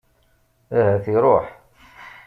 Ahat iṛuḥ.